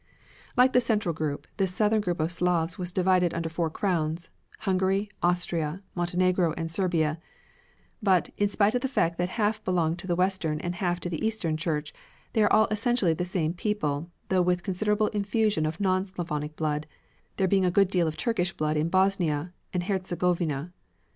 Like the central group, this southern group of Slavs was divided under four crowns, Hungary, Austria, Montenegro, and Serbia; but, in spite of the fact that half belong to the Western and half to the Eastern Church, they are all essentially the same people, though with considerable infusion of non Slavonic blood, there being a good deal of Turkish blood in Bosnia and Herzegovina.